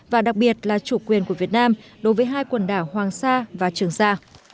và đặc biệt là chủ quyền của việt nam đối với hai quần đảo hoàng sa và trường sa